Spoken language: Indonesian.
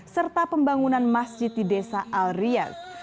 serta pembangunan masjid di desa al riyad